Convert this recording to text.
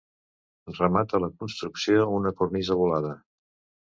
Remata la construcció una cornisa volada.